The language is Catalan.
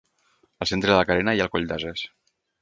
Al centre de la carena hi ha el Coll d'Ases.